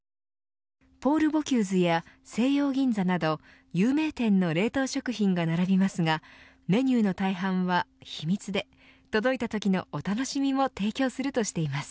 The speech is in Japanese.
ポール・ボキューズや西洋銀座など有名店の冷凍食品が並びますがメニューの大半は秘密で届いたときのお楽しみも提供するとしています。